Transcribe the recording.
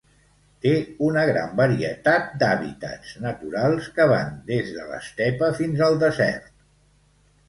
Té una gran varietat d'hàbitats naturals, que van des de l'estepa fins al desert.